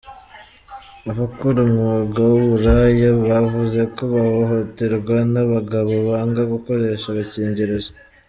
Abakora umwuga w’uburaya bavuze ko bahohoterwa n’abagabo banga gukoresha agakingirizo